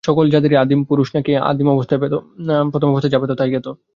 সকল জাতিরই আদিম পুরুষ নাকি প্রথম অবস্থায় যা পেত তাই খেত।